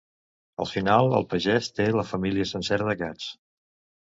Al final el pagès té la família sencera de gats.